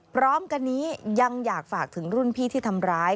พร้อมกันนี้ยังอยากฝากถึงรุ่นพี่ที่ทำร้าย